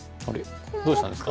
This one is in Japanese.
どうしたんですか？